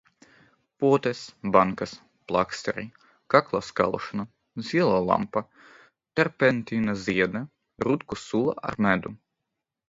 Potes, bankas, plāksteri, kakla skalošana, zilā lampa, terpentīna ziede, rutku sula ar medu.